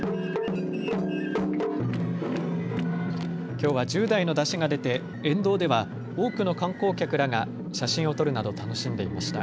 きょうは１０台の山車が出て沿道では多くの観光客らが写真を撮るなど楽しんでいました。